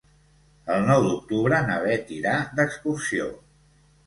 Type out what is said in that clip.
El nou d'octubre na Beth irà d'excursió.